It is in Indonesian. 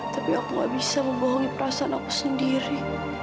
tapi aku gak bisa membohongi perasaan aku sendiri